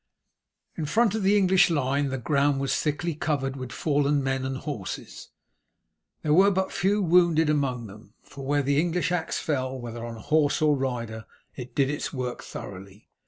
In front of the English line the ground was thickly covered with fallen men and horses. There were but few wounded among them, for where the English axe fell, whether on horse or rider, it did its work thoroughly.